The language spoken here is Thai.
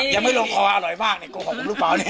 ยังไม่ลงคออร่อยมากเนี่ยโกหกผมหรือเปล่าเนี่ย